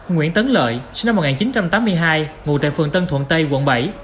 nguyễn tấn lợi sinh năm một nghìn chín trăm tám mươi hai ngụ tại phường tân thuận tây quận bảy